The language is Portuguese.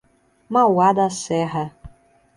Mauá da Serra